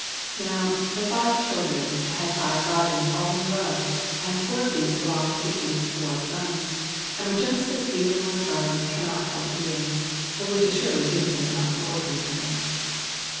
Now, the five children had five gardens all in a row; and four of these belonged to the King's four sons, and were just as beautiful as gardens cannot help being, which is surely beautiful enough for ordinary folk.